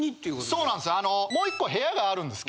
そうなんです。